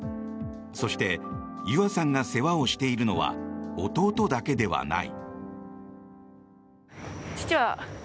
そして、ゆあさんが世話をしているのは弟だけではない。